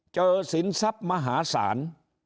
สินทรัพย์มหาศาล